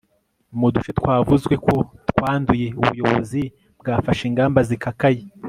mu duce twavuzwe ko twanduye, ubuyobozi bwafashe ingamba zikakaye